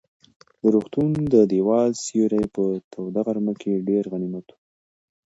د روغتون د دېوال سیوری په توده غرمه کې ډېر غنیمت و.